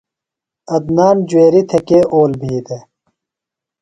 عدنان جُویریۡ تھےۡ کے اول بھی دےۡ؟